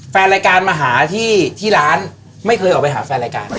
แฟนรายการมาหาที่ร้านไม่เคยออกไปหาแฟนรายการ